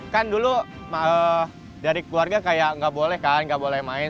kan dulu dari keluarga kayak nggak boleh kan nggak boleh main